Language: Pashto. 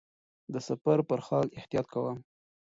د سفر پر مهال احتياط کاوه.